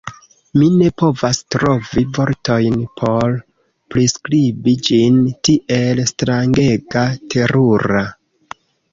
Mi ne povas trovi vortojn por priskribi ĝin, tiel strangega, terura!